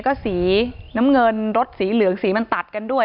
ที่มีข่าวเรื่องน้องหายตัว